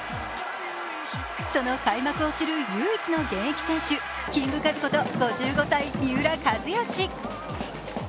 その開幕を知る唯一の現役選手、キングカズこと５５歳、三浦知良。